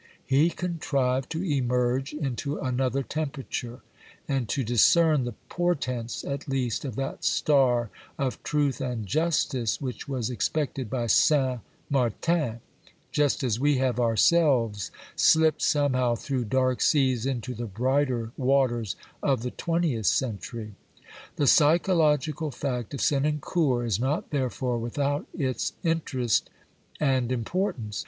He contrived to emerge into another temperature, and to discern the portents at least of that star of truth and justice which was expected by Saint Martin, just as we have ourselves slipped somehow through dark seas into the brighter waters of the twentieth century. The psychological fact of Senancour is not, therefore, without its interest and importance.